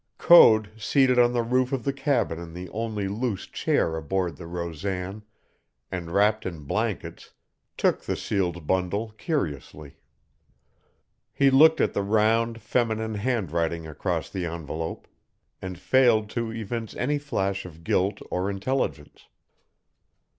Code, seated on the roof of the cabin in the only loose chair aboard the Rosan, and wrapped in blankets, took the sealed bundle curiously. He looked at the round, feminine handwriting across the envelope, and failed to evince any flash of guilt or intelligence.